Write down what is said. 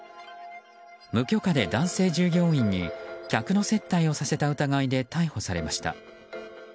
無許可で男性従業員に客の接待をさせた疑いで逮捕されました。